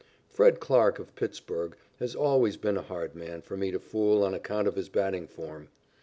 Fred Clarke, of Pittsburg, has always been a hard man for me to fool on account of his batting form.